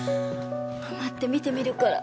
待って見てみるから。